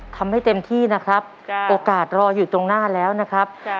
ทำให้เต็มที่นะครับโอกาสรออยู่ตรงหน้าแล้วนะครับ